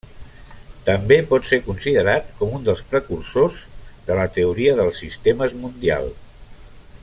També pot ser considerat com un dels precursors de la Teoria dels Sistemes Mundial.